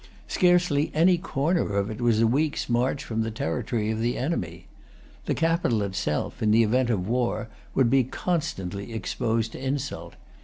Scarcely any corner of it was a week's march from the territory of the enemy. The capital itself, in the event of war, would be constantly exposed to insult.